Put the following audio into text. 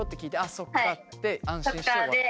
そっかって安心して終わる？